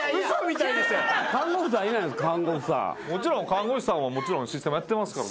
看護師さんももちろんシステマやってますから。